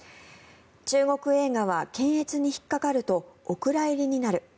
中国映画は検閲に引っかかるとお蔵入りになる。